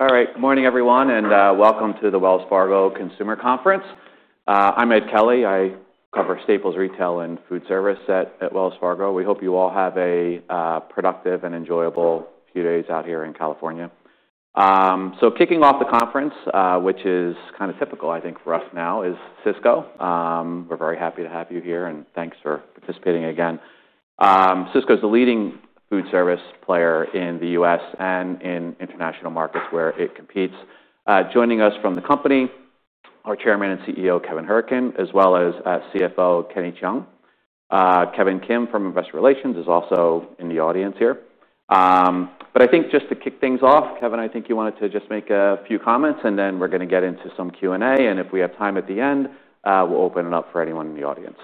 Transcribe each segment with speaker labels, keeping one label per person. Speaker 1: All right, good morning everyone, and welcome to the Wells Fargo Consumer Conference. I'm Ed Kelly. I cover staples, retail, and food service at Wells Fargo. We hope you all have a productive and enjoyable few days out here in California. Kicking off the conference, which is kind of typical, I think, for us now, is Sysco. We're very happy to have you here, and thanks for participating again. Sysco is the leading food service player in the U.S. and in international markets where it competes. Joining us from the company are Chairman and CEO, Kevin Hourican, as well as CFO, Kenny Cheung. Kevin Kim from Investor Relations is also in the audience here. I think just to kick things off, Kevin, I think you wanted to just make a few comments, and then we're going to get into some Q&A, and if we have time at the end, we'll open it up for anyone in the audience.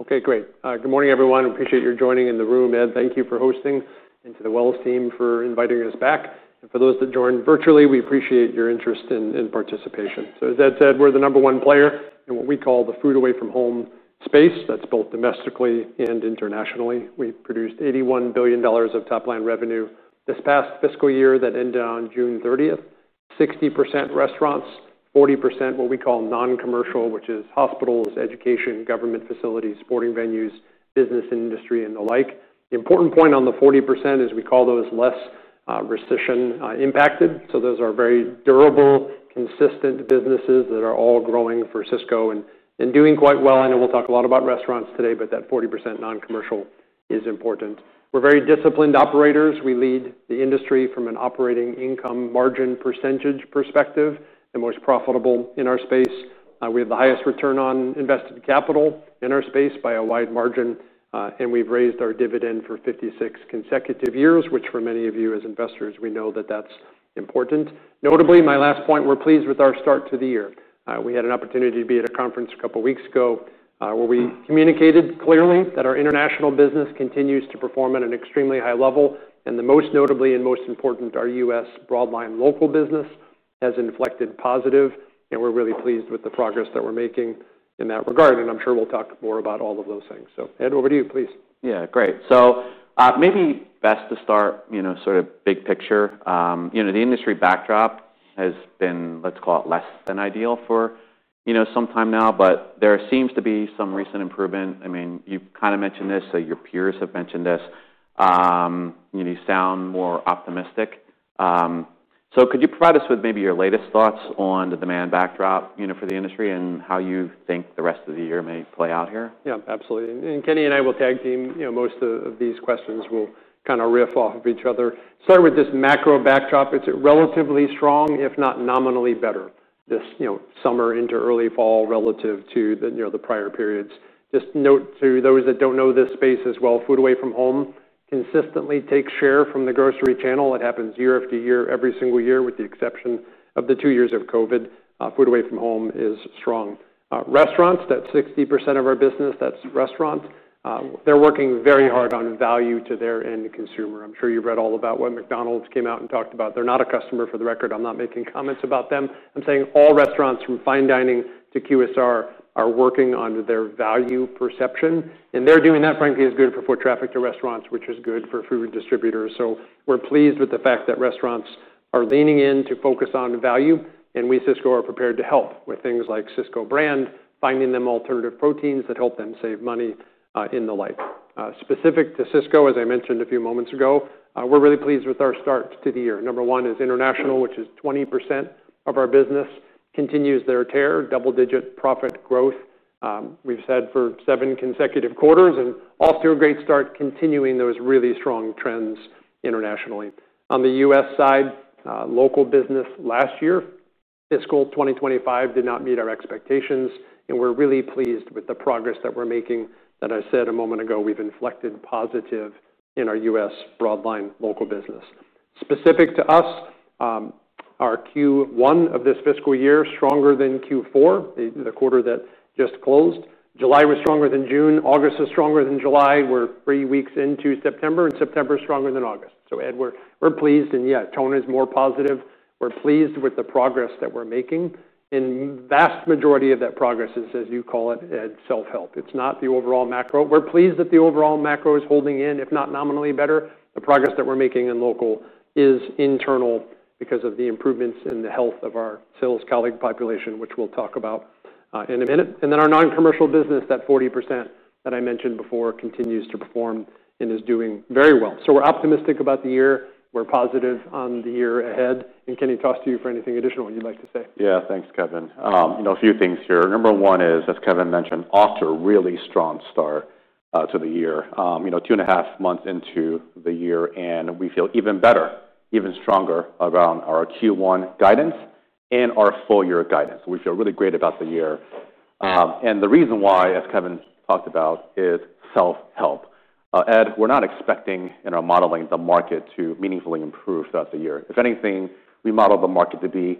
Speaker 2: Okay, great. Good morning everyone. I appreciate your joining in the room, Ed. Thank you for hosting and to the Wells team for inviting us back. For those that joined virtually, we appreciate your interest in participation. As Ed said, we're the number one player in what we call the food away from home space. That's both domestically and internationally. We produced $81 billion of top line revenue this past fiscal year that ended on June 30, 2023. 60% restaurants, 40% what we call non-commercial, which is hospitals, education, government facilities, sporting venues, business industry, and the like. The important point on the 40% is we call those less recession impacted. Those are very durable, consistent businesses that are all growing for Sysco and doing quite well. I know we'll talk a lot about restaurants today, but that 40% non-commercial is important. We're very disciplined operators. We lead the industry from an operating income margin percentage perspective, the most profitable in our space. We have the highest return on invested capital in our space by a wide margin, and we've raised our dividend for 56 consecutive years, which for many of you as investors, we know that that's important. Notably, my last point, we're pleased with our start to the year. We had an opportunity to be at a conference a couple of weeks ago where we communicated clearly that our international business continues to perform at an extremely high level, and most notably and most important, our U.S. broadline local business has inflected positive, and we're really pleased with the progress that we're making in that regard. I'm sure we'll talk more about all of those things. Ed, over to you, please.
Speaker 1: Great. Maybe best to start, you know, sort of big picture. The industry backdrop has been, let's call it less than ideal for some time now, but there seems to be some recent improvement. I mean, you kind of mentioned this, your peers have mentioned this. You sound more optimistic. Could you provide us with maybe your latest thoughts on the demand backdrop for the industry and how you think the rest of the year may play out here?
Speaker 2: Yeah, absolutely. Kenny and I will tag team, most of these questions will kind of riff off of each other. Start with this macro backdrop. It's relatively strong, if not nominally better, this summer into early fall relative to the prior periods. Just note to those that don't know this space as well, food away from home consistently takes share from the grocery channel. It happens year after year, every single year, with the exception of the two years of COVID. Food away from home is strong. Restaurants, that's 60% of our business, that's restaurants. They're working very hard on value to their end consumer. I'm sure you've read all about what McDonald's came out and talked about. They're not a customer, for the record. I'm not making comments about them. I'm saying all restaurants from fine dining to QSR are working on their value perception, and they're doing that, frankly, is good for foot traffic to restaurants, which is good for food distributors. We are pleased with the fact that restaurants are leaning in to focus on value, and we at Sysco are prepared to help with things like Sysco brand, finding them alternative proteins that help them save money and the like. Specific to Sysco, as I mentioned a few moments ago, we're really pleased with our start to the year. Number one is international, which is 20% of our business. Continues their tear, double-digit profit growth. We've said for seven consecutive quarters, and off to a great start, continuing those really strong trends internationally. On the U.S. side, local business last year, fiscal 2025 did not meet our expectations, and we're really pleased with the progress that we're making that I said a moment ago. We've inflected positive in our U.S. broadline local business. Specific to us, our Q1 of this fiscal year is stronger than Q4, the quarter that just closed. July was stronger than June. August was stronger than July. We're three weeks into September, and September is stronger than August. Ed, we're pleased, and yeah, tone is more positive. We're pleased with the progress that we're making. The vast majority of that progress is, as you call it, Ed, self-help. It's not the overall macro. We're pleased that the overall macro is holding in, if not nominally better. The progress that we're making in local is internal because of the improvements in the health of our sales colleague population, which we'll talk about in a minute. Our non-commercial business, that 40% that I mentioned before, continues to perform and is doing very well. We are optimistic about the year. We are positive on the year ahead. Kenny, toss to you for anything additional you'd like to say.
Speaker 3: Yeah, thanks, Kevin. You know, a few things here. Number one is, as Kevin mentioned, off to a really strong start to the year. Two and a half months into the year, and we feel even better, even stronger around our Q1 guidance and our full year guidance. We feel really great about the year. The reason why, as Kevin talked about, is self-help. Ed, we're not expecting, in our modeling, the market to meaningfully improve throughout the year. If anything, we model the market to be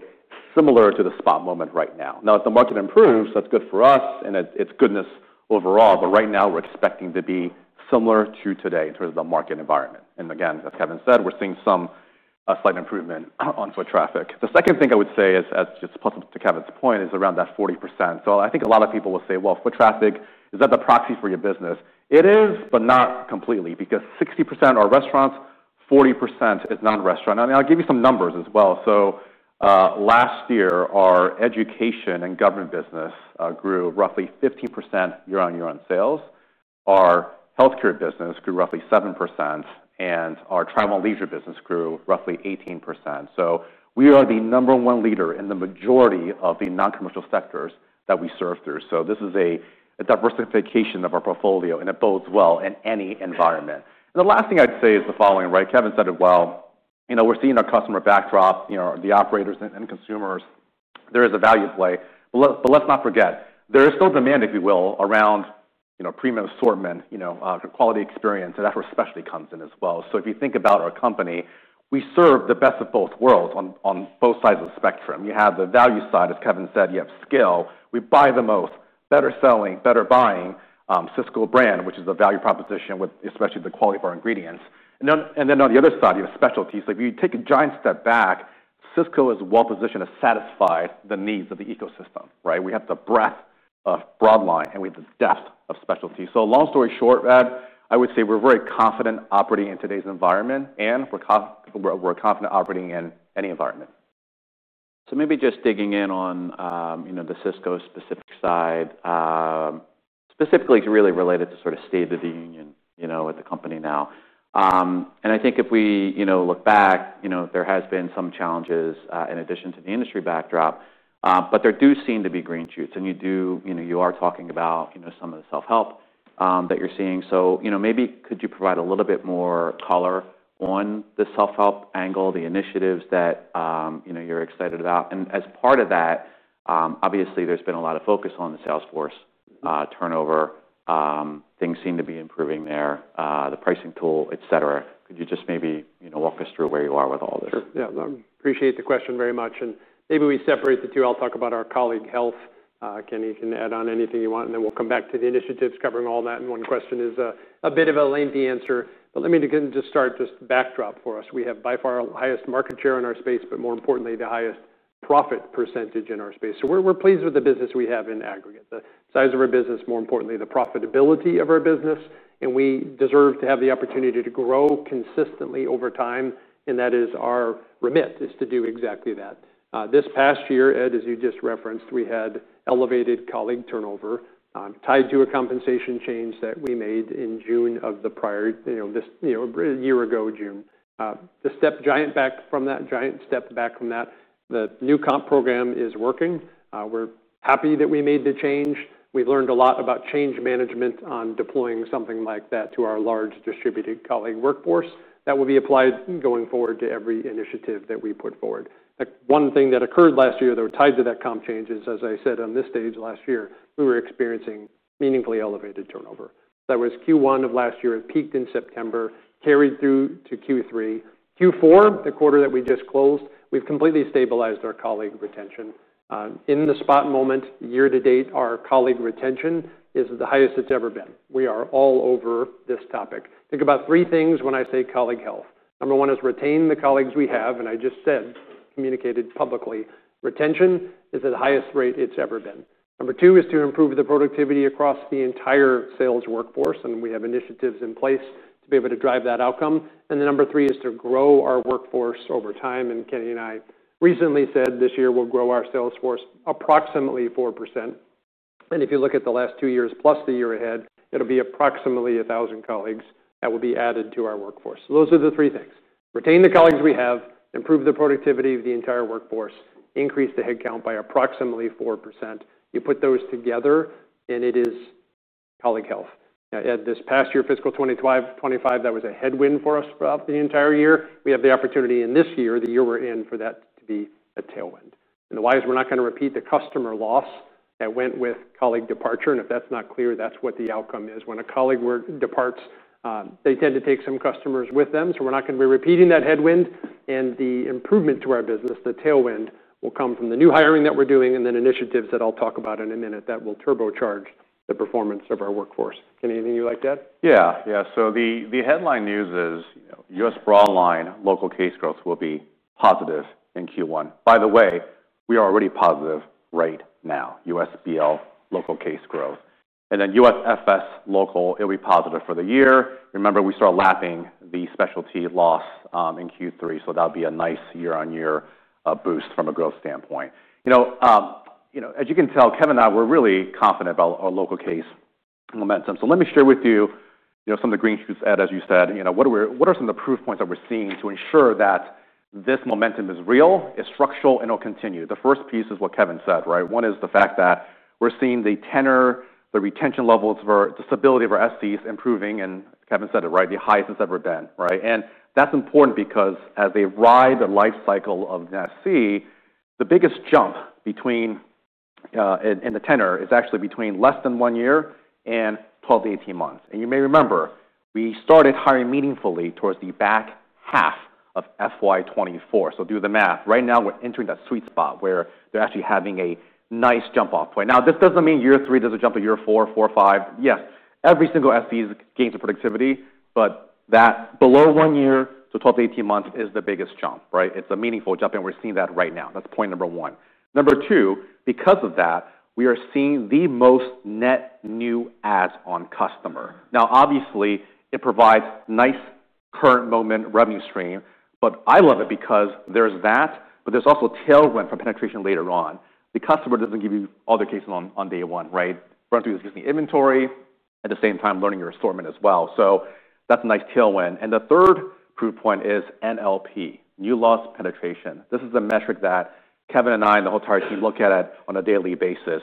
Speaker 3: similar to the spot moment right now. If the market improves, that's good for us, and it's goodness overall, but right now we're expecting to be similar to today in terms of the market environment. Again, as Kevin said, we're seeing some slight improvement on foot traffic. The second thing I would say is, as just possible to Kevin's point, is around that 40%. I think a lot of people will say, well, foot traffic, is that the proxy for your business? It is, but not completely, because 60% are restaurants, 40% is non-restaurant. I'll give you some numbers as well. Last year, our education and government business grew roughly 15% year on year on sales. Our healthcare business grew roughly 7%, and our travel and leisure business grew roughly 18%. We are the number one leader in the majority of the non-commercial sectors that we serve through. This is a diversification of our portfolio, and it bodes well in any environment. The last thing I'd say is the following, right? Kevin said it well. We're seeing our customer backdrop, the operators and consumers. There is a value play. Let's not forget, there is still demand, if you will, around premium assortment, quality experience, and that especially comes in as well. If you think about our company, we serve the best of both worlds on both sides of the spectrum. You have the value side, as Kevin said, you have skill. We buy the most, better selling, better buying, Sysco brand, which is a value proposition with especially the quality of our ingredients. On the other side, you have specialty. If you take a giant step back, Sysco is well positioned to satisfy the needs of the ecosystem, right? We have the breadth of broadline, and we have the depth of specialty. Long story short, Ed, I would say we're very confident operating in today's environment, and we're confident operating in any environment.
Speaker 1: Maybe just digging in on the Sysco specific side, specifically to really relate it to sort of state of the union at the company now. I think if we look back, there have been some challenges in addition to the industry backdrop, but there do seem to be green shoots, and you are talking about some of the self-help that you're seeing. Maybe could you provide a little bit more color on the self-help angle, the initiatives that you're excited about? As part of that, obviously, there's been a lot of focus on the Salesforce turnover. Things seem to be improving there, the pricing tool, et cetera. Could you just maybe walk us through where you are with all this?
Speaker 2: Yeah, I appreciate the question very much. Maybe we separate the two. I'll talk about our colleague health. Kenny can add on anything you want, and then we'll come back to the initiatives covering all that. One question is a bit of a lengthy answer. Let me just start, just backdrop for us. We have by far the highest market share in our space, but more importantly, the highest profit percentage in our space. We're pleased with the business we have in aggregate, the size of our business, more importantly, the profitability of our business. We deserve to have the opportunity to grow consistently over time. That is our remit, to do exactly that. This past year, Ed, as you just referenced, we had elevated colleague turnover tied to a compensation change that we made in June of the prior, you know, a year ago, June. Giant step back from that. The new comp program is working. We're happy that we made the change. We learned a lot about change management on deploying something like that to our large distributed colleague workforce that will be applied going forward to every initiative that we put forward. One thing that occurred last year tied to that comp change is, as I said on this stage last year, we were experiencing meaningfully elevated turnover. That was Q1 of last year. It peaked in September, carried through to Q3. Q4, the quarter that we just closed, we've completely stabilized our colleague retention. In the spot moment, year to date, our colleague retention is the highest it's ever been. We are all over this topic. Think about three things when I say colleague health. Number one is retain the colleagues we have, and I just said, communicated publicly, retention is at the highest rate it's ever been. Number two is to improve the productivity across the entire sales workforce, and we have initiatives in place to be able to drive that outcome. Number three is to grow our workforce over time. Kenny and I recently said this year we'll grow our sales force approximately 4%. If you look at the last two years, plus the year ahead, it'll be approximately 1,000 colleagues that will be added to our workforce. Those are the three things: retain the colleagues we have, improve the productivity of the entire workforce, increase the headcount by approximately 4%. You put those together, and it is colleague health. Now, Ed, this past year, fiscal 2025, that was a headwind for us throughout the entire year. We have the opportunity in this year, the year we're in, for that to be a tailwind. The why is we're not going to repeat the customer loss that went with colleague departure. If that's not clear, that's what the outcome is. When a colleague departs, they tend to take some customers with them. We're not going to be repeating that headwind. The improvement to our business, the tailwind, will come from the new hiring that we're doing and then initiatives that I'll talk about in a minute that will turbocharge the performance of our workforce. Kenny, anything you'd like to add?
Speaker 3: Yeah, yeah. The headline news is U.S. broadline local case growth will be positive in Q1. By the way, we are already positive right now. U.S.B.L. local case growth. U.S.F.S. local, it'll be positive for the year. Remember, we start lapping the specialty loss in Q3. That'll be a nice year-on-year boost from a growth standpoint. As you can tell, Kevin and I, we're really confident about our local case momentum. Let me share with you some of the green shoots, Ed, as you said. What are some of the proof points that we're seeing to ensure that this momentum is real, is structural, and it'll continue? The first piece is what Kevin said, right? One is the fact that we're seeing the tenor, the retention levels, the stability of our SCs improving. Kevin said it right, the highest it's ever been, right? That's important because as they ride the life cycle of the SC, the biggest jump in the tenor is actually between less than one year and 12 to 18 months. You may remember, we started hiring meaningfully towards the back half of FY2024. Do the math. Right now, we're entering that sweet spot where they're actually having a nice jump off point. This doesn't mean year three doesn't jump to year four, four, five. Yes, every single SC gains in productivity, but that below one year to 12 to 18 months is the biggest jump, right? It's a meaningful jump, and we're seeing that right now. That's point number one. Number two, because of that, we are seeing the most net new adds on customer. Obviously, it provides nice current moment revenue stream, but I love it because there's that, but there's also tailwind for penetration later on. The customer doesn't give you all their cases on day one, right? Run through the existing inventory at the same time, learning your assortment as well. That's a nice tailwind. The third proof point is NLP, new loss penetration. This is a metric that Kevin and I and the whole entire team look at on a daily basis.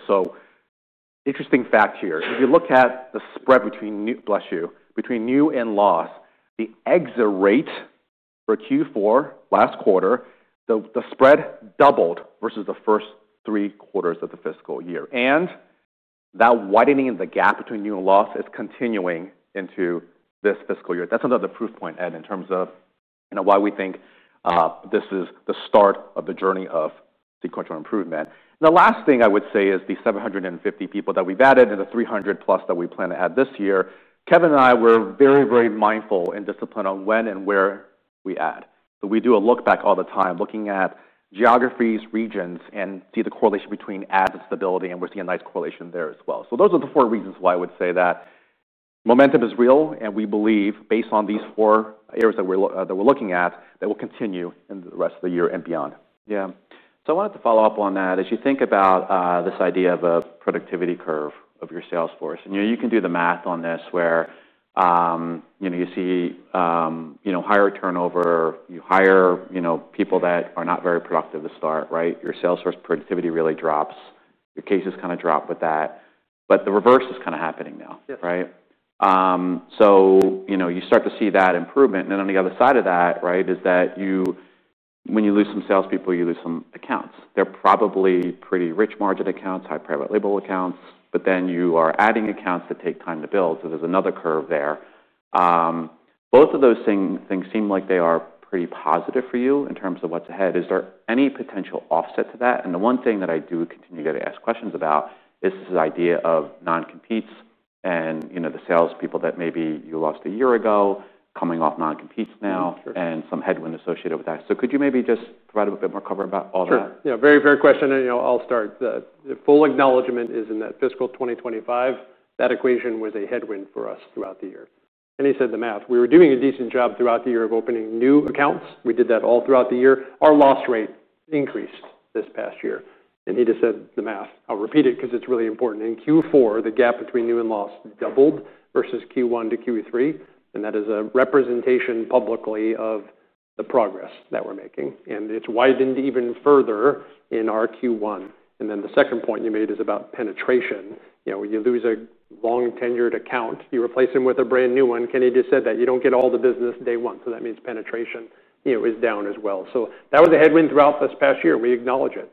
Speaker 3: Interesting fact here. If you look at the spread between new, bless you, between new and loss, the exit rate for Q4 last quarter, the spread doubled versus the first three quarters of the fiscal year. That widening in the gap between new and loss is continuing into this fiscal year. That's another proof point, Ed, in terms of now why we think this is the start of the journey of sequential improvement. The last thing I would say is the 750 people that we've added and the 300 plus that we plan to add this year. Kevin and I were very, very mindful and disciplined on when and where we add. We do a look back all the time, looking at geographies, regions, and see the correlation between adds and stability, and we're seeing a nice correlation there as well. Those are the four reasons why I would say that momentum is real, and we believe, based on these four areas that we're looking at, that we'll continue in the rest of the year and beyond. Yeah.
Speaker 1: I wanted to follow up on that. As you think about this idea of a productivity curve of your sales force, and you can do the math on this where you see higher turnover, you hire people that are not very productive to start, right? Your sales force productivity really drops. Your cases kind of drop with that. The reverse is kind of happening now, right? You start to see that improvement. On the other side of that, right, is that when you lose some salespeople, you lose some accounts. They're probably pretty rich margin accounts, high private label accounts, but then you are adding accounts that take time to build. There's another curve there. Both of those things seem like they are pretty positive for you in terms of what's ahead. Is there any potential offset to that? The one thing that I do continue to ask questions about is this idea of non-competes and the salespeople that maybe you lost a year ago coming off non-competes now and some headwind associated with that. Could you maybe just provide a bit more cover about all that?
Speaker 2: Sure. Very fair question. I'll start. The full acknowledgement is in that fiscal 2025, that equation was a headwind for us throughout the year. He said the math. We were doing a decent job throughout the year of opening new accounts. We did that all throughout the year. Our loss rate increased this past year. He just said the math. I'll repeat it because it's really important. In Q4, the gap between new and loss doubled versus Q1 to Q3. That is a representation publicly of the progress that we're making. It's widened even further in our Q1. The second point you made is about penetration. You know, when you lose a long-tenured account, you replace them with a brand new one. Kenny just said that you don't get all the business day one. That means penetration is down as well. That was a headwind throughout this past year. We acknowledge it.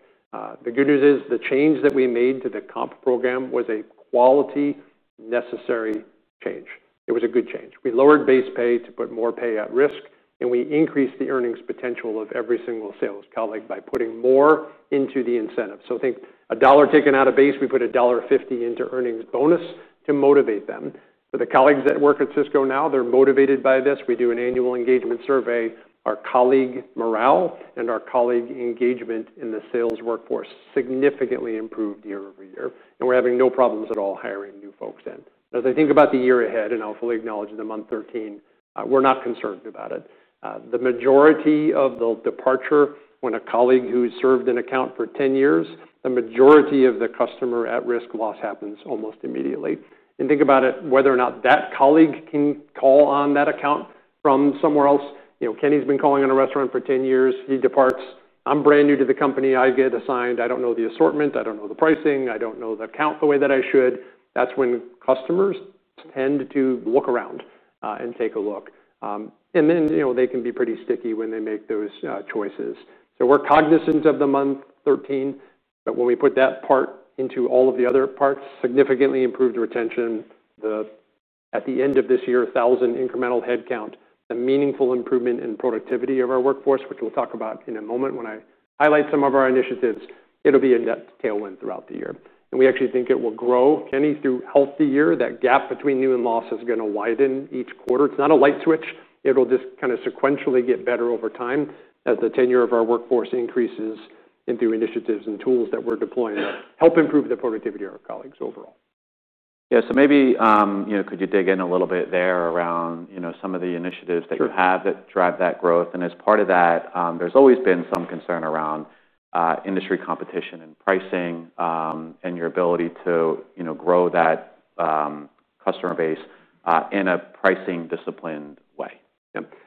Speaker 2: The good news is the change that we made to the comp program was a quality, necessary change. It was a good change. We lowered base pay to put more pay at risk, and we increased the earnings potential of every single sales colleague by putting more into the incentive. I think a dollar taken out of base, we put $1.50 into earnings bonus to motivate them. For the colleagues that work at Sysco now, they're motivated by this. We do an annual engagement survey. Our colleague morale and our colleague engagement in the sales workforce significantly improved year over year. We're having no problems at all hiring new folks in. As I think about the year ahead, I'll fully acknowledge the month 13, we're not concerned about it. The majority of the departure, when a colleague who's served an account for 10 years, the majority of the customer at risk loss happens almost immediately. Think about it, whether or not that colleague can call on that account from somewhere else. You know, Kenny's been calling on a restaurant for 10 years. He departs. I'm brand new to the company. I get assigned. I don't know the assortment. I don't know the pricing. I don't know the account the way that I should. That's when customers tend to look around and take a look. They can be pretty sticky when they make those choices. We're cognizant of the month 13. When we put that part into all of the other parts, significantly improved retention, at the end of this year, 1,000 incremental headcount, the meaningful improvement in productivity of our workforce, which we'll talk about in a moment when I highlight some of our initiatives, it'll be a net tailwind throughout the year. We actually think it will grow. Kenny, through healthy year, that gap between new and loss is going to widen each quarter. It's not a light switch. It'll just kind of sequentially get better over time as the tenure of our workforce increases into initiatives and tools that we're deploying to help improve the productivity of our colleagues overall.
Speaker 1: Could you dig in a little bit there around some of the initiatives that you have that drive that growth? As part of that, there's always been some concern around industry competition and pricing and your ability to grow that customer base in a pricing disciplined way.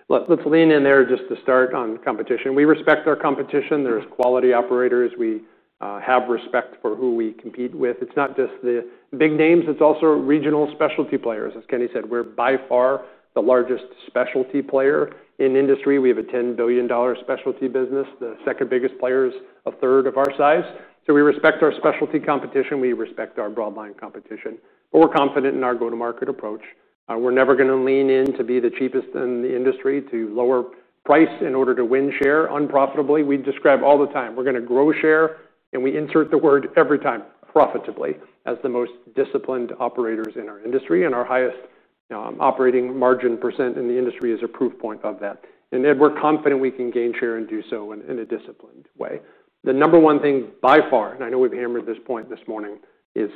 Speaker 2: Yeah, let's lean in there just to start on competition. We respect our competition. There's quality operators. We have respect for who we compete with. It's not just the big names. It's also regional specialty players. As Kenny said, we're by far the largest specialty player in the industry. We have a $10 billion specialty business. The second biggest player is a third of our size. We respect our specialty competition. We respect our broadline competition. We're confident in our go-to-market approach. We're never going to lean in to be the cheapest in the industry to lower price in order to win share unprofitably. We describe all the time, we're going to grow share, and we insert the word every time, profitably, as the most disciplined operators in our industry. Our highest operating margin % in the industry is a proof point of that. Ed, we're confident we can gain share and do so in a disciplined way. The number one thing by far, and I know we've hammered this point this morning, is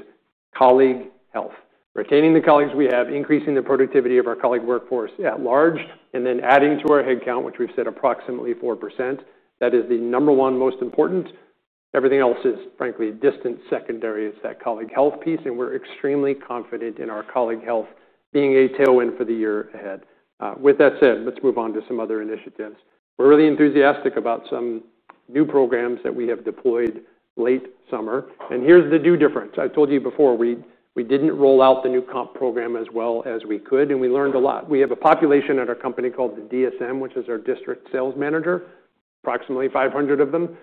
Speaker 2: colleague health. Retaining the colleagues we have, increasing the productivity of our colleague workforce at large, and then adding to our headcount, which we've said approximately 4%. That is the number one most important. Everything else is, frankly, a distant secondary. It's that colleague health piece. We're extremely confident in our colleague health being a tailwind for the year ahead. With that said, let's move on to some other initiatives. We're really enthusiastic about some new programs that we have deployed late summer. Here's the due difference. I told you before, we didn't roll out the new comp program as well as we could, and we learned a lot. We have a population at our company called the DSM, which is our District Sales Manager, approximately 500 of them.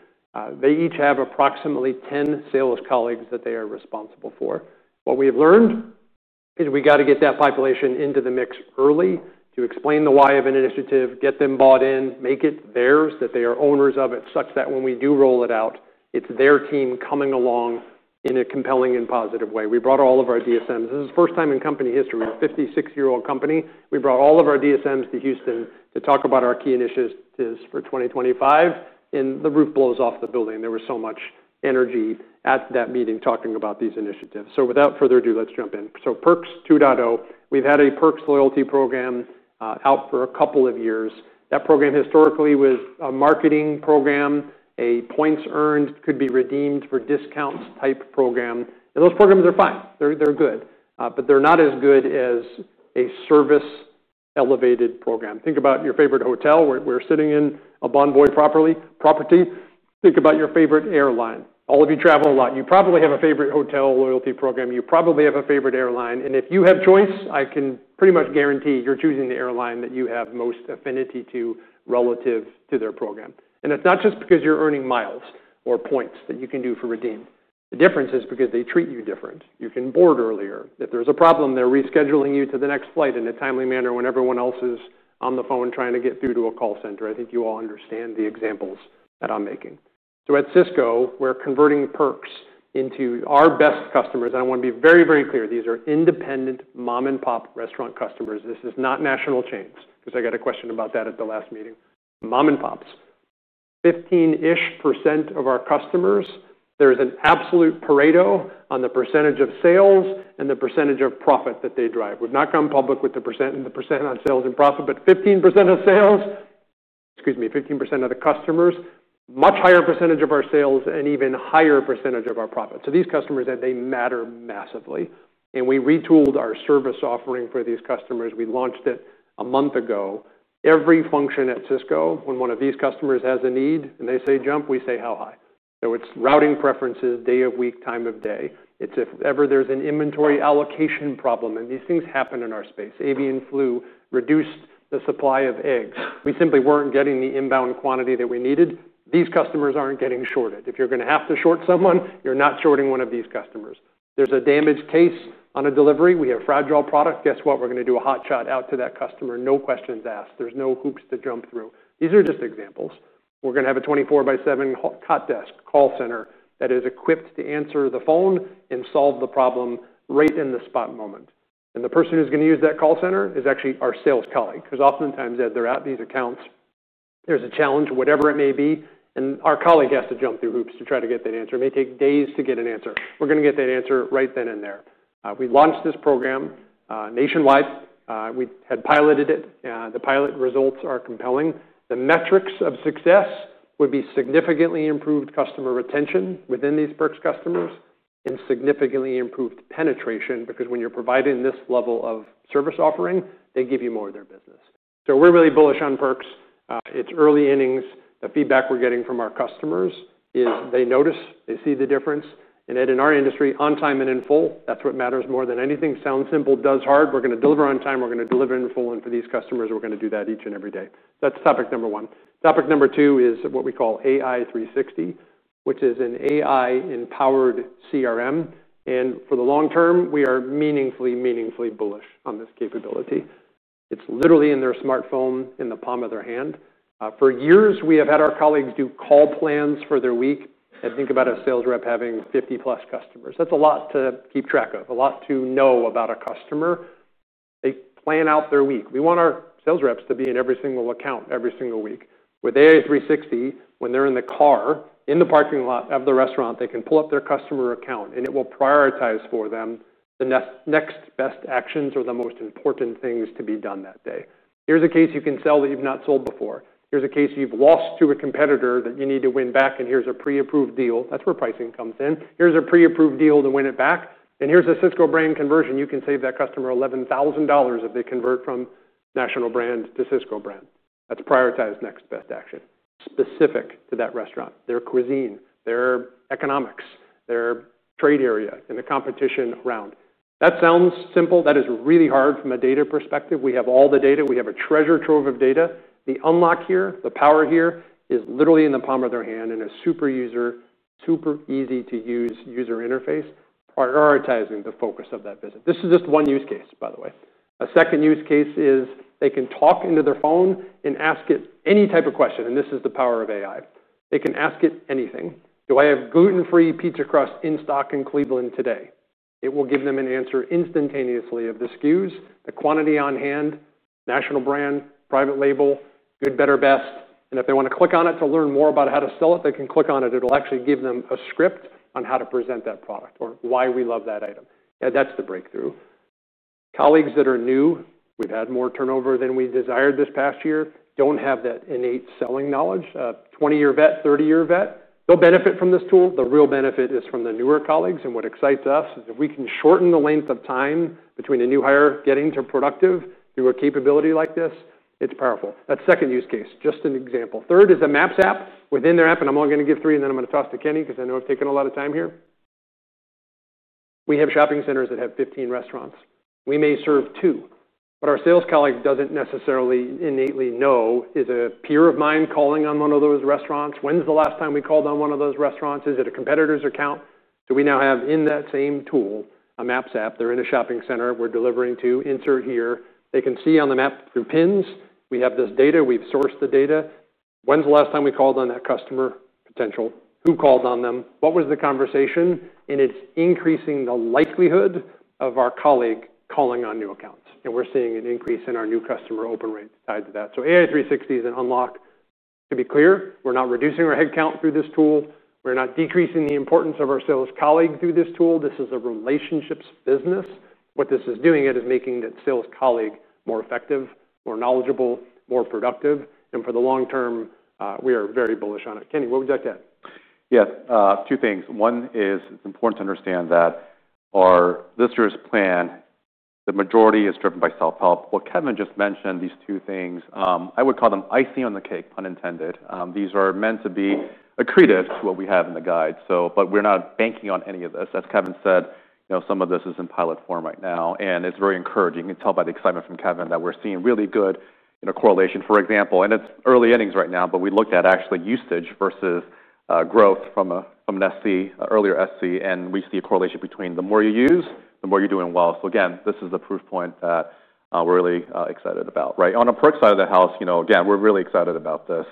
Speaker 2: They each have approximately 10 sales colleagues that they are responsible for. What we have learned is we got to get that population into the mix early to explain the why of an initiative, get them bought in, make it theirs, that they are owners of it, such that when we do roll it out, it's their team coming along in a compelling and positive way. We brought all of our DSMs. This is the first time in company history. We're a 56-year-old company. We brought all of our DSMs to Houston to talk about our key initiatives for 2025. The roof blows off the building. There was so much energy at that meeting talking about these initiatives. Without further ado, let's jump in. Perks 2.0. We've had a Perks loyalty program out for a couple of years. That program historically was a marketing program, a points earned, could be redeemed for discounts type program. Those programs are fine. They're good. They're not as good as a service-elevated program. Think about your favorite hotel where we're sitting in a Bonvoy property. Think about your favorite airline. All of you travel a lot. You probably have a favorite hotel loyalty program. You probably have a favorite airline. If you have choice, I can pretty much guarantee you're choosing the airline that you have most affinity to relative to their program. It's not just because you're earning miles or points that you can redeem. The difference is because they treat you different. You can board earlier. If there's a problem, they're rescheduling you to the next flight in a timely manner when everyone else is on the phone trying to get through to a call center. I think you all understand the examples that I'm making. At Sysco, we're converting Perks into our best customers. I want to be very, very clear. These are independent mom-and-pop restaurant customers. This is not national chains, because I got a question about that at the last meeting. Mom-and-pops. 15% of our customers. There's an absolute pareto on the % of sales and the % of profit that they drive. Would not come public with the % and the % on sales and profit, but 15% of customers, much higher % of our sales and even higher % of our profit. These customers, Ed, they matter massively. We retooled our service offering for these customers. We launched it a month ago. Every function at Sysco, when one of these customers has a need and they say jump, we say how high. It's routing preferences, day of week, time of day. If ever there's an inventory allocation problem, and these things happen in our space. Avian Flu reduced the supply of eggs. We simply weren't getting the inbound quantity that we needed. These customers aren't getting shorted. If you're going to have to short someone, you're not shorting one of these customers. There's a damaged case on a delivery. We have fragile product. Guess what? We're going to do a hot shot out to that customer. No questions asked. There's no hoops to jump through. These are just examples. We are going to have a 24 by 7 hot desk call center that is equipped to answer the phone and solve the problem right in the spot moment. The person who is going to use that call center is actually our sales colleague, because oftentimes, Ed, they are at these accounts. There is a challenge, whatever it may be, and our colleague has to jump through hoops to try to get that answer. It may take days to get an answer. We are going to get that answer right then and there. We launched this program nationwide. We had piloted it. The pilot results are compelling. The metrics of success would be significantly improved customer retention within these Perks customers and significantly improved penetration, because when you are providing this level of service offering, they give you more of their business. We are really bullish on Perks. It is early innings. The feedback we are getting from our customers is they notice, they see the difference. In our industry, on time and in full, that is what matters more than anything. It sounds simple, does hard. We are going to deliver on time. We are going to deliver in full. For these customers, we are going to do that each and every day. That is topic number one. Topic number two is what we call AI 360, which is an AI-empowered CRM. For the long term, we are meaningfully, meaningfully bullish on this capability. It is literally in their smartphone, in the palm of their hand. For years, we have had our colleagues do call plans for their week. Think about a sales rep having 50 plus customers. That is a lot to keep track of, a lot to know about a customer. They plan out their week. We want our sales reps to be in every single account every single week. With AI 360, when they are in the car in the parking lot of the restaurant, they can pull up their customer account, and it will prioritize for them the next best actions or the most important things to be done that day. Here is a case you can sell that you have not sold before. Here is a case you have lost to a competitor that you need to win back, and here is a pre-approved deal. That is where pricing comes in. Here is a pre-approved deal to win it back. Here is a Sysco brand conversion. You can save that customer $11,000 if they convert from national brand to Sysco brand. That is prioritized next best action. Specific to that restaurant, their cuisine, their economics, their trade area, and the competition around. That sounds simple. That is really hard from a data perspective. We have all the data. We have a treasure trove of data. The unlock here, the power here, is literally in the palm of their hand in a super user, super easy-to-use user interface, prioritizing the focus of that visit. This is just one use case, by the way. A second use case is they can talk into their phone and ask it any type of question. This is the power of AI. They can ask it anything. Do I have gluten-free pizza crust in stock in Cleveland today? It will give them an answer instantaneously of the SKUs, the quantity on hand, national brand, private label, good, better, best. If they want to click on it to learn more about how to sell it, they can click on it. It will actually give them a script on how to present that product or why we love that item. That is the breakthrough. Colleagues that are new, we've had more turnover than we desired this past year, don't have that innate selling knowledge, a 20-year vet, 30-year vet. They will benefit from this tool. The real benefit is from the newer colleagues. What excites us is if we can shorten the length of time between a new hire getting to productive through a capability like this, it's powerful. That is the second use case, just an example. Third is a maps app within their app. I am only going to give three, and then I am going to toss to Kenny because I know I have taken a lot of time here. We have shopping centers that have 15 restaurants. We may serve two, but our sales colleague does not necessarily innately know is a peer of mine calling on one of those restaurants. When is the last time we called on one of those restaurants? Is it a competitor's account? We now have in that same tool a maps app. They are in a shopping center we are delivering to, insert here. They can see on the map through pins. We have this data. We have sourced the data. When is the last time we called on that customer potential? Who called on them? What was the conversation? It is increasing the likelihood of our colleague calling on new accounts. We are seeing an increase in our new customer open rate tied to that. AI 360 is an unlock. To be clear, we are not reducing our headcount through this tool. We are not decreasing the importance of our sales colleague through this tool. This is a relationships business. What this is doing, it is making that sales colleague more effective, more knowledgeable, more productive. For the long term, we are very bullish on it. Kenny, what would you like to add?
Speaker 3: Yeah, two things. One is it's important to understand that our listeners' plan, the majority is driven by self-help. What Kevin just mentioned, these two things, I would call them icing on the cake, pun intended. These are meant to be a credence to what we have in the guide. We're not banking on any of this. As Kevin said, some of this is in pilot form right now. It's very encouraging. It's helped by the excitement from Kevin that we're seeing really good correlation. For example, it's early innings right now, but we looked at actually usage versus growth from an SC, earlier SC. We see a correlation between the more you use, the more you're doing well. This is a proof point that we're really excited about. Right on the Perks side of the house, we're really excited about this.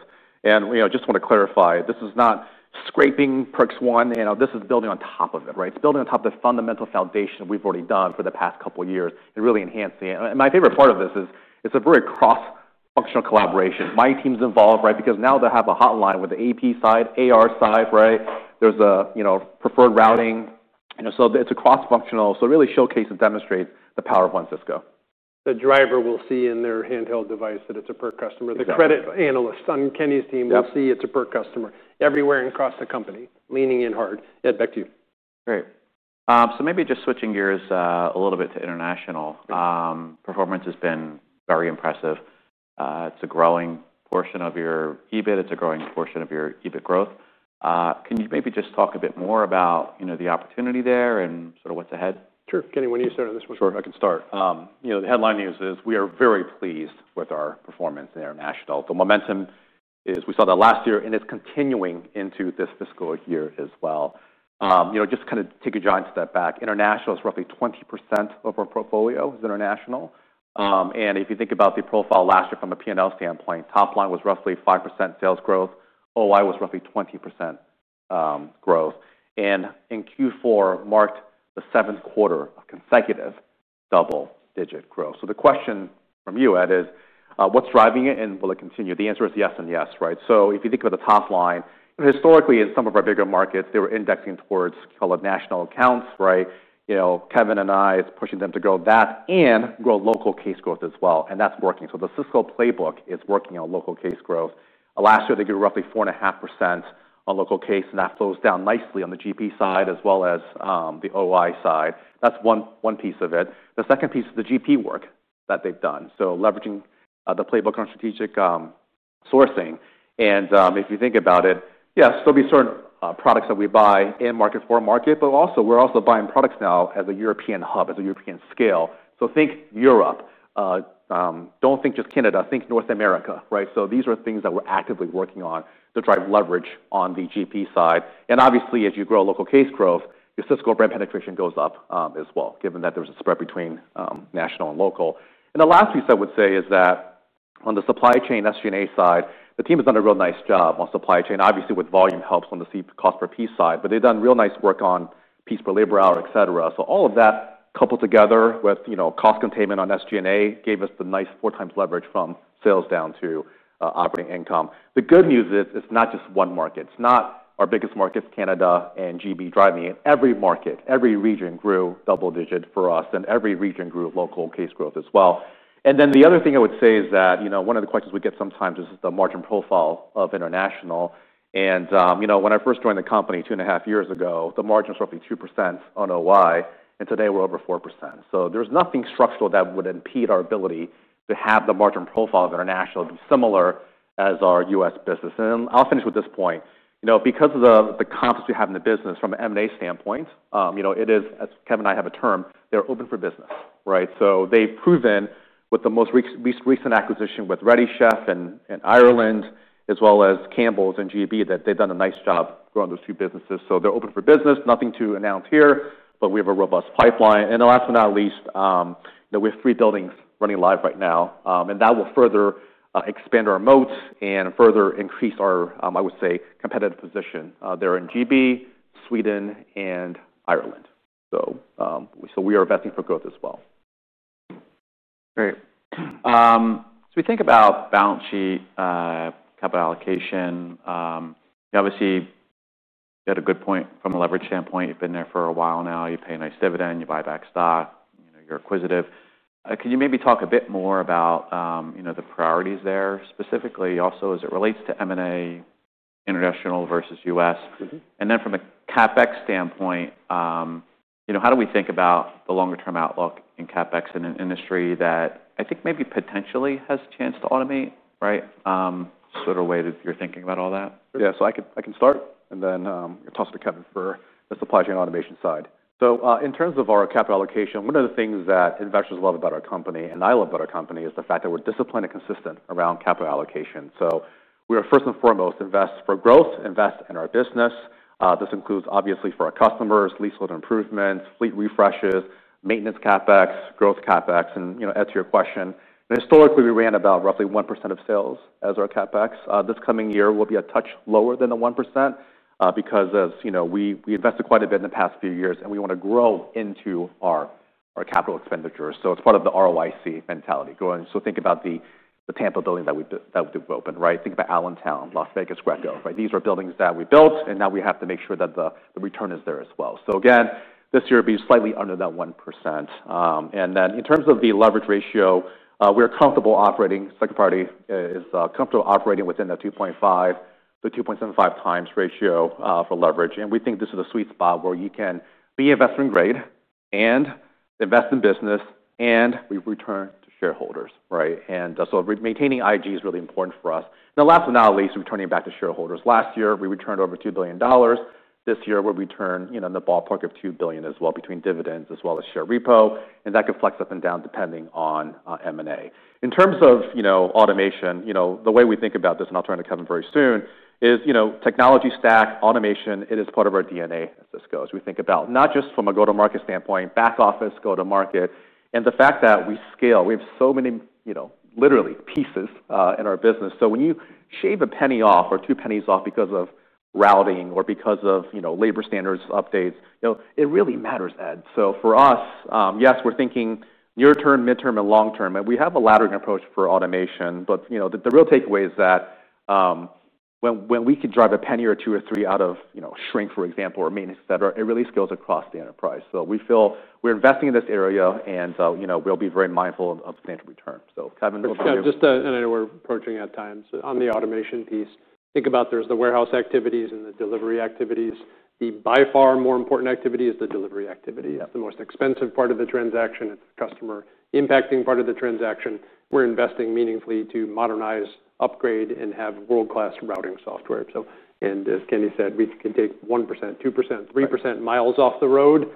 Speaker 3: I just want to clarify, this is not scraping Perks 1. This is building on top of it. It's building on top of the fundamental foundation we've already done for the past couple of years and really enhancing it. My favorite part of this is it's a very cross-functional collaboration. My team's involved, right? Because now they'll have a hotline with the AP side, AR side, right? There's a preferred routing. It's a cross-functional. It really showcases and demonstrates the power of OneSysco.
Speaker 2: The driver will see in their handheld device that it's a Perks customer. The credit analyst on Kenny Cheung's team will see it's a Perks customer everywhere and across the company, leaning in hard. Ed, back to you.
Speaker 1: Right. Maybe just switching gears a little bit to international. Performance has been very impressive. It's a growing portion of your EBIT. It's a growing portion of your EBIT growth. Can you maybe just talk a bit more about, you know, the opportunity there and sort of what's ahead?
Speaker 2: Sure. Kenny, why don't you start on this one.
Speaker 3: Sure, I can start. You know, the headline news is we are very pleased with our performance in international. The momentum is we saw that last year, and it's continuing into this fiscal year as well. You know, just kind of take a giant step back. International is roughly 20% of our portfolio is international. And if you think about the profile last year from a P&L standpoint, top line was roughly 5% sales growth. OI was roughly 20% growth. In Q4, marked the seventh quarter of consecutive double-digit growth. The question from you, Ed, is what's driving it, and will it continue? The answer is yes and yes, right? If you think about the top line, historically in some of our bigger markets, they were indexing towards, call it, national accounts, right? You know, Kevin and I are pushing them to grow that and grow local case growth as well. That's working. The Sysco playbook is working on local case growth. Last year, they grew roughly 4.5% on local case, and that flows down nicely on the GP side as well as the OI side. That's one piece of it. The second piece is the GP work that they've done. Leveraging the playbook on strategic sourcing. If you think about it, yeah, we serve products that we buy in markets for market, but also we're also buying products now as a European hub, as a European scale. Think Europe. Don't think just Canada. Think North America, right? These are things that we're actively working on to drive leverage on the GP side. Obviously, as you grow local case growth, your Sysco brand penetration goes up as well, given that there's a spread between national and local. The last piece I would say is that on the supply chain SG&A side, the team has done a real nice job on supply chain. Obviously, with volume helps on the C cost per piece side, but they've done real nice work on piece per labor hour, et cetera. All of that coupled together with, you know, cost containment on SG&A gave us the nice four times leverage from sales down to operating income. The good news is it's not just one market. It's not our biggest markets, Canada and GB, driving it. Every market, every region grew double digit for us, and every region grew local case growth as well. The other thing I would say is that, you know, one of the questions we get sometimes is the margin profile of international. When I first joined the company two and a half years ago, the margin was roughly 2% on OI, and today we're over 4%. There's nothing structural that would impede our ability to have the margin profile of international be similar as our U.S. business. I'll finish with this point. Because of the confidence we have in the business from an M&A standpoint, it is, as Kevin and I have a term, they're open for business, right? They've proven with the most recent acquisition with Ready Chef in Ireland, as well as Campbell’s in Great Britain, that they've done a nice job growing those two businesses. They're open for business. Nothing to announce here, but we have a robust pipeline. Last but not least, we have three buildings running live right now. That will further expand our moats and further increase our, I would say, competitive position there in Great Britain, Sweden, and Ireland. We are investing for growth as well.
Speaker 1: Great. We think about balance sheet, capital allocation. Obviously, you had a good point from a leverage standpoint. You've been there for a while now. You pay a nice dividend. You buy back stock. You're acquisitive. Could you maybe talk a bit more about the priorities there specifically also as it relates to M&A, international versus U.S.? From a CapEx standpoint, how do we think about the longer term outlook in CapEx in an industry that I think maybe potentially has a chance to automate, right? Sort of the way that you're thinking about all that.
Speaker 2: Yeah, I can start and then toss it to Kevin for the supply chain automation side. In terms of our capital allocation, one of the things that investors love about our company, and I love about our company, is the fact that we're disciplined and consistent around capital allocation. We are first and foremost investing for growth, investing in our business. This includes, obviously for our customers, leasehold improvements, fleet refreshes, maintenance CapEx, growth CapEx. To answer your question, historically we ran about roughly 1% of sales as our CapEx. This coming year will be a touch lower than the 1% because, as you know, we invested quite a bit in the past few years and we want to grow into our capital expenditures. It's part of the ROIC mentality. Think about the Tampa building that we did open, right? Think about Allentown, Las Vegas, Waco, right? These are buildings that we built and now we have to make sure that the return is there as well. This year it'll be slightly under that 1%. In terms of the leverage ratio, we're comfortable operating, second party is comfortable operating within the 2.5, the 2.75 times ratio for leverage. We think this is a sweet spot where you can be investment grade and invest in business and return to shareholders, right? Maintaining IG is really important for us. Last but not least, returning back to shareholders. Last year we returned over $2 billion. This year we'll return, you know, in the ballpark of $2 billion as well between dividends as well as share repo. That could flex up and down depending on M&A. In terms of automation, the way we think about this, and I'll turn it to Kevin very soon, is, you know, technology stack automation, it is part of our DNA at Sysco. We think about not just from a go-to-market standpoint, back office, go-to-market, and the fact that we scale. We have so many, you know, literally pieces in our business. When you shave a penny off or two pennies off because of routing or because of labor standards updates, it really matters, Ed. For us, yes, we're thinking near term, mid term, and long term. We have a laddering approach for automation, but the real takeaway is that when we could drive a penny or two or three out of, you know, shrink, for example, or maintenance, et cetera, it really scales across the enterprise. We feel we're investing in this area and we'll be very mindful of substantial return. So Kevin.
Speaker 4: Let's go. On the automation piece, think about there's the warehouse activities and the delivery activities. The by far more important activity is the delivery activity. It's the most expensive part of the transaction. It's the customer impacting part of the transaction. We're investing meaningfully to modernize, upgrade, and have world-class routing software. As Kenny said, we can take 1%, 2%, 3% miles off the road.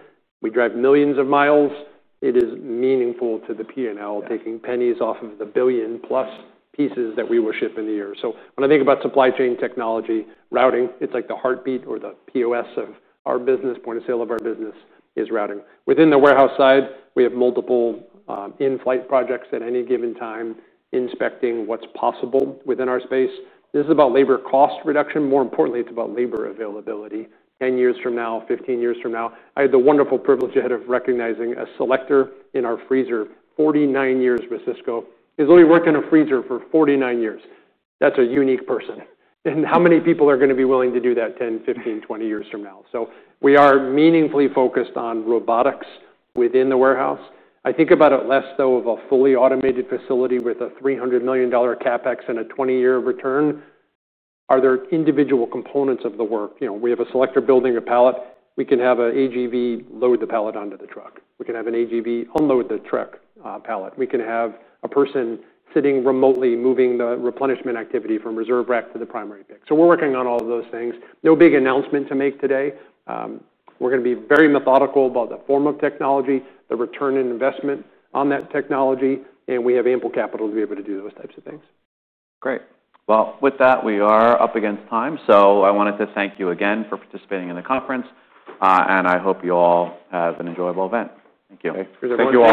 Speaker 4: We drive millions of miles. It is meaningful to the P&L, taking pennies off of the billion plus pieces that we will ship in the year. When I think about supply chain technology, routing, it's like the heartbeat or the POS of our business, point of sale of our business, is routing. Within the warehouse side, we have multiple in-flight projects at any given time, inspecting what's possible within our space. This is about labor cost reduction. More importantly, it's about labor availability. 10 years from now, 15 years from now. I had the wonderful privilege ahead of recognizing a selector in our freezer, 49 years with Sysco. He's only worked in a freezer for 49 years. That's a unique person. How many people are going to be willing to do that 10, 15, 20 years from now? We are meaningfully focused on robotics within the warehouse. I think about it less though of a fully automated facility with a $300 million CapEx and a 20-year return. Are there individual components of the work? We have a selector building a pallet. We can have an AGV load the pallet onto the truck. We can have an AGV unload the truck pallet. We can have a person sitting remotely moving the replenishment activity from reserve rack to the primary pick. We're working on all of those things. No big announcement to make today. We're going to be very methodical about the form of technology, the return and investment on that technology, and we have ample capital to be able to do those types of things.
Speaker 1: Great. With that, we are up against time. I wanted to thank you again for participating in the conference, and I hope you all have an enjoyable event. Thank you.
Speaker 2: Thank you.